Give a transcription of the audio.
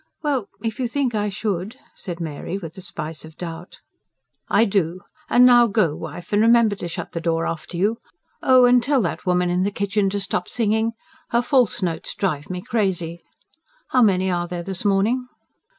"Well ... if you think I should," said Mary, with a spice of doubt. "I do. And now go, wife, and remember to shut the door after you. Oh, and tell that woman in the kitchen to stop singing. Her false notes drive me crazy. How many are there, this morning?"